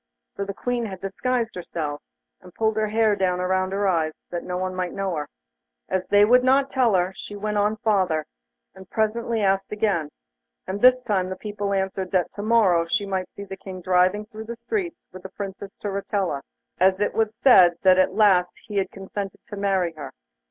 For the Queen had disguised herself, and pulled her hair down about her eyes, that no one might know her. As they would not tell her, she went on farther, and presently asked again, and this time the people answered that to morrow she might see the King driving through the streets with the Princess Turritella, as it was said that at last he had consented to marry her.